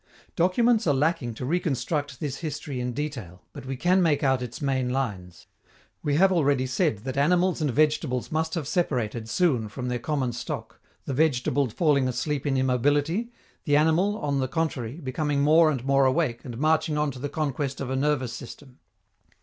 Documents are lacking to reconstruct this history in detail, but we can make out its main lines. We have already said that animals and vegetables must have separated soon from their common stock, the vegetable falling asleep in immobility, the animal, on the contrary, becoming more and more awake and marching on to the conquest of a nervous system.